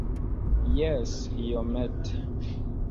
Jes, iomete.